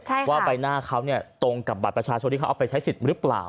ใช่ค่ะว่าใบหน้าเขาเนี่ยตรงกับบัตรประชาชนที่เขาเอาไปใช้สิทธิ์หรือเปล่า